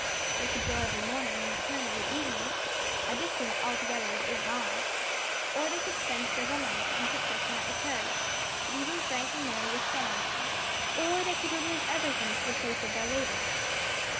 They could go every morning, and return every evening a distance altogether of eight miles; or they could spend several nights in succession at the prairie, leaving Frank and Mary with Sam; or they could remove everything to the place of their labour.